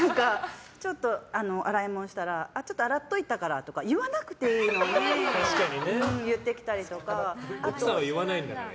ちょっと洗い物したらちょっと洗っといたからとか言わなくていいのに奥さんは言わないんだから。